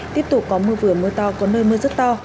tiếp tục có mưa vừa mưa to có nơi mưa rất to